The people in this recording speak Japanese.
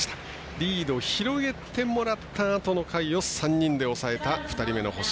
リード広げてもらったあとの回を３人で抑えた２人目の星。